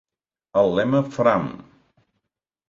El lema Fram!